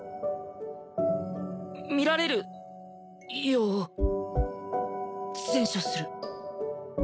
見られるよう善処する。